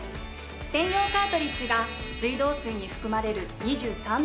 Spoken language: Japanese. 専用カートリッジが水道水に含まれる２３の物質を除去。